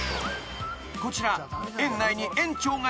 ［こちら］